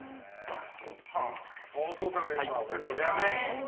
そうそうたるメンバーをそりゃね。